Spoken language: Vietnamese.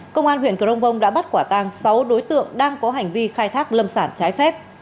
công an huyện crong bông đã bắt quả tang sáu đối tượng đang có hành vi khai thác lâm sản trái phép